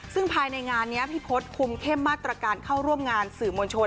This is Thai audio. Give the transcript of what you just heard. ซึ่งภายในงานนี้พี่พศคุมเข้มมาตรการเข้าร่วมงานสื่อมวลชน